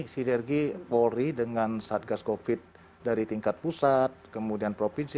sinergi polri dengan satgas covid dari tingkat pusat kemudian provinsi